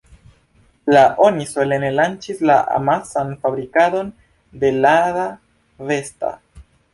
La oni solene lanĉis la amasan fabrikadon de Lada Vesta.